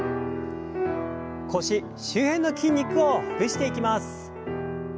腰周辺の筋肉をほぐしていきます。